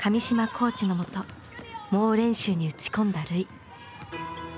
コーチのもと猛練習に打ち込んだ瑠唯。